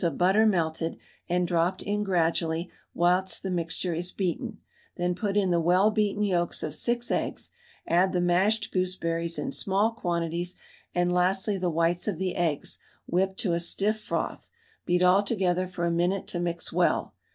of butter melted and dropped in gradually whilst the mixture is beaten, then put in the well beaten yolks of 6 eggs, add the mashed gooseberries in small quantities, and lastly the whites of the eggs whipped to a stiff froth; beat all together for a minute to mix well.